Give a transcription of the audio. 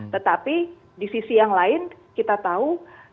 tetapi di sisi yang lain kita tahu